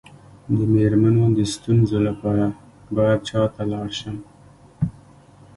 د میرمنو د ستونزو لپاره باید چا ته لاړ شم؟